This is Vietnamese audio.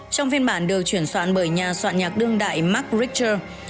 trong phiên bản được chuyển soạn bởi nhà soạn nhạc đương đại mark richter